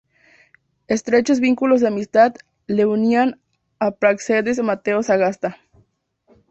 Estrechos vínculos de amistad le unían a Práxedes Mateo Sagasta.